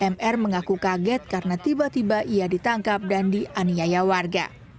mr mengaku kaget karena tiba tiba ia ditangkap dan dianiaya warga